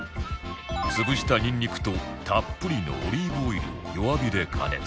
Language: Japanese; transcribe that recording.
潰したにんにくとたっぷりのオリーブオイルを弱火で加熱